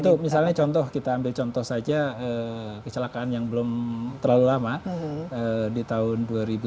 itu misalnya contoh kita ambil contoh saja kecelakaan yang belum terlalu lama di tahun dua ribu tujuh belas